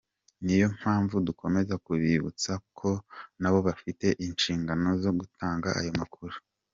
Ni yo mpamvu dukomeza kubibutsa ko nabo bafite inshingano zo gutanga ayo makuru.